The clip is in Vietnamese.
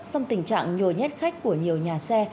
xong tình trạng nhồi nhét khách của nhiều nhà xe